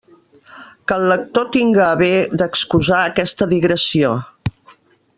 Que el lector tinga a bé d'excusar aquesta digressió.